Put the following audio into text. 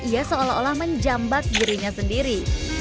ia seolah olah menjambat dirinya sendiri